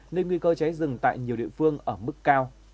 nên nguy cơ cháy rừng tại nhiều địa phương ở mức cao